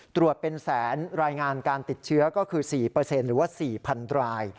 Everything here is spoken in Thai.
ตรวจเป็นแสนรายงานการติดเชื้อก็คือ๔หรือว่า๔๐๐๐ราย